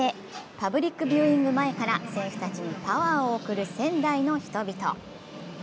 パブリックビューイング前から選手たちにパワーを送る仙台の人々。